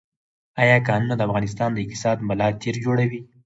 آیا کانونه د افغانستان د اقتصاد ملا تیر جوړوي؟